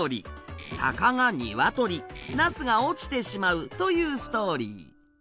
タカがにわとりなすが落ちてしまうというストーリー。